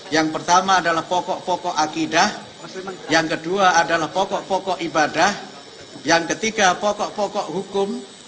yang pertama adalah pokok pokok akidah yang kedua adalah pokok pokok ibadah yang ketiga pokok pokok hukum